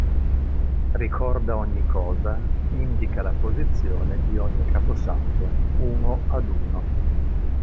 Ricorda ogni cosa, indica la posizione di ogni caposaldo, uno ad uno.